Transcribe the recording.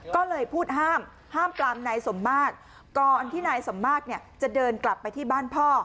ก็เลยพูดห้ามห้ามปลามนายสมมากก่อนที่นายสมมากเนี่ยจะเดินกลับไปที่บ้านพ่อ